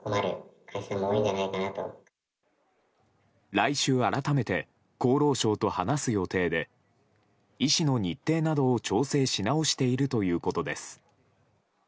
来週改めて厚労省と話す予定で医師の日程などを調整し直しているということです。